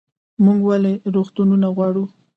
موږ ولې روغتونونه غواړو؟